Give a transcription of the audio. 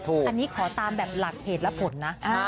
อันนี้ขอตามแบบหลักเหตุและผลนะ